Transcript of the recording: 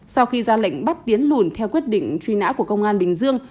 sau khi ra lệnh bắt tiến lùn theo quyết định truy nã của công an bình dương